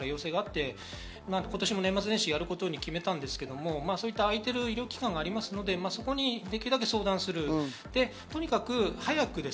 私のところも一応東京都から要請があって、今年も年末年始やることに決めたんですけど、そういった開いている医療機関がありますので、そこにできるだけ相談する。